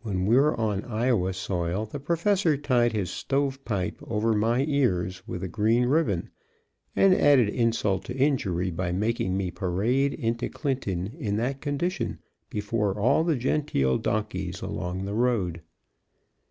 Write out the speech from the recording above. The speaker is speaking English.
When we were on Iowa soil, the Prof. tied his "stove pipe" over my ears with a green ribbon, and added insult to injury by making me parade into Clinton in that condition before all the genteel donkeys along the road.